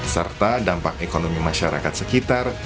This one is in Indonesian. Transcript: serta dampak ekonomi masyarakat sekitar